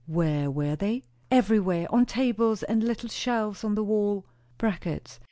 "Where were they?" "Everywhere! On tables, and little shelves on the wall " "Brackets."